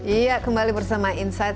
iya kembali bersama insight